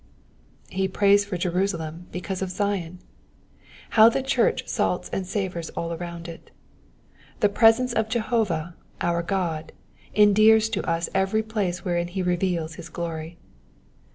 '*'* He prays for Jerusalem because of Zion. How the church salts and savours all around it. The presence of Jehovah, our God, endears to us every place wherein he reveals his glory.